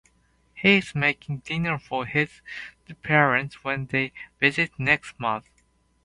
He is making dinner for his parents when they visit next month.